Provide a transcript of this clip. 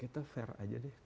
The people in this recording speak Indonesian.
kita fair aja deh